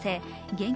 現金